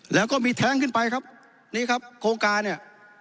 แล้วก็มีแท้งขึ้นไปครับนี่ครับโครงการเนี่ย